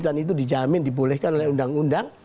dan itu dijamin dibolehkan oleh undang undang